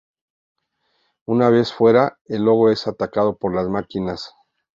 Una vez fuera, el Logos es atacado por las máquinas.